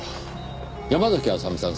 山嵜麻美さん